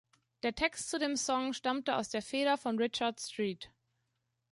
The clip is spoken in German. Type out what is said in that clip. Der Text zu dem Song stammte aus der Feder von Richard Street.